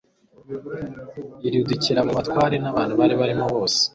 iridukira abo batware n abantu bari barimo bose